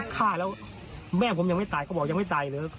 ฆ่าแล้วแม่ผมยังไม่ตายเขาบอกยังไม่ตายเลย